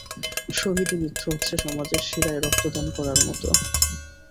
শহীদী মৃত্যু হচ্ছে সমাজের শিরায় রক্তদান করার মতো।